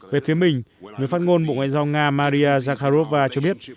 về phía mình người phát ngôn bộ ngoại giao nga maria zakharova cho biết